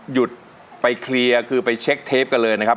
หยุดไปเคลียร์คือไปเช็คเทปกันเลยนะครับ